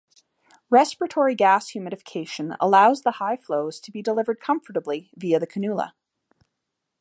Respiratory gas humidification allows the high flows to be delivered comfortably via the cannula.